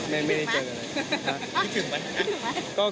คิดถึงมั้ยคิดถึงมั้ยครับคิดถึงมั้ย